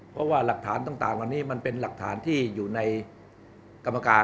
เพราะว่าหลักฐานต่างวันนี้มันเป็นหลักฐานที่อยู่ในกรรมการ